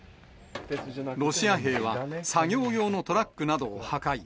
ロシア兵は、作業用のトラックなどを破壊。